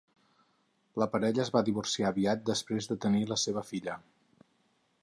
La parella es va divorciar aviat després de tenir la seva filla.